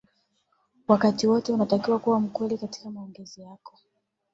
wakati wote unatakiwa kuwa mkweli katika maongezi yako